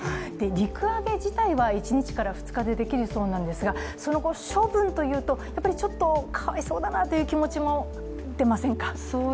陸揚げ自体は１日から２日でできるそうなんですがその後、処分というと、ちょっとかわいそうだなという気持ちも出ませんか？